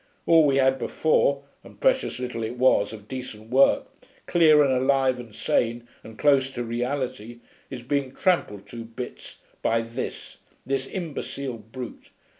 All we had before and precious little it was of decent work, clear and alive and sane and close to reality, is being trampled to bits by this this imbecile brute.